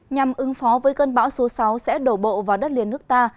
nhằm ứng phó với cơn bão số sáu sẽ đổ bộ vào đất liền nước ta